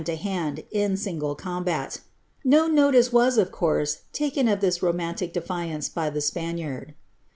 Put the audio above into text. to hand, in single combat No notice was, of course, takeB ttf tha mmaniic defiance by the Spaniard.'